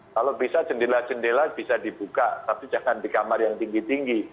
kalau bisa jendela jendela bisa dibuka tapi jangan di kamar yang tinggi tinggi